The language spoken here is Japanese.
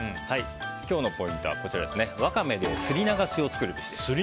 今日のポイントはワカメですりながしを作るべしです。